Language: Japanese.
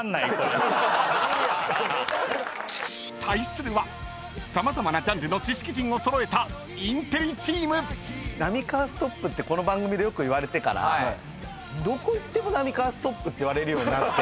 ［対するは様々なジャンルの知識人を揃えたインテリチーム］「浪川ストップ」ってこの番組でよく言われてからどこ行っても「浪川ストップ」って言われるようになって。